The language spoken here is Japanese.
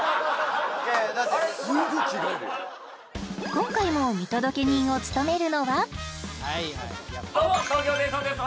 今回も見届け人を務めるのはどうも東京ホテイソンです